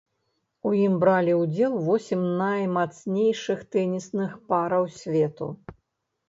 У ім бралі ўдзел восем наймацнейшых тэнісных параў свету.